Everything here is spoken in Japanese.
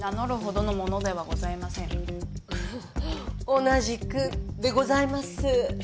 同じくでございます。